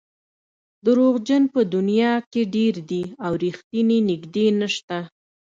دروغجن په دنیا کې ډېر دي او رښتیني نژدې نشته.